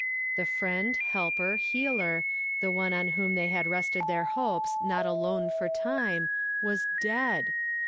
The friend, helper, healer, the one on whom they had rested their hopes not alone for time, was dead!